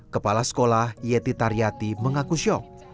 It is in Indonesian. kepala sekolah yeti taryati mengaku syok